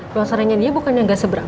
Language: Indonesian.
masalahnya dia bukannya nggak seberapa